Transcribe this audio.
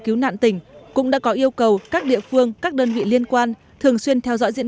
cứu nạn tỉnh cũng đã có yêu cầu các địa phương các đơn vị liên quan thường xuyên theo dõi diễn